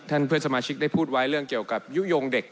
เพื่อนสมาชิกได้พูดไว้เรื่องเกี่ยวกับยุโยงเด็ก